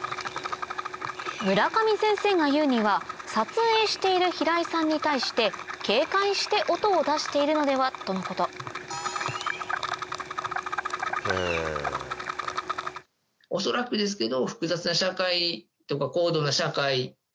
村上先生がいうには撮影している平井さんに対して警戒して音を出しているのでは？とのこと恐らくですけど。